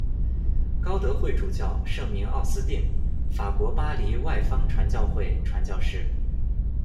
高德惠主教，圣名奥斯定，法国巴黎外方传教会传教士。